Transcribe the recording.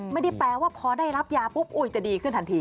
มันคือพอได้รับยาปุ๊บอุ๊ยจะดีขึ้นทันที